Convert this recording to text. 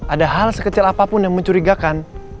ada hal sekecil apapun yang mencurigakan